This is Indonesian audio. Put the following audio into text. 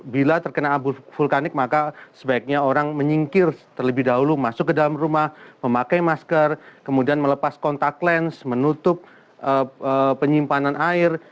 bila terkena abu vulkanik maka sebaiknya orang menyingkir terlebih dahulu masuk ke dalam rumah memakai masker kemudian melepas kontak lens menutup penyimpanan air